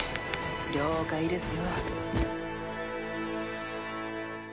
了解ですよ。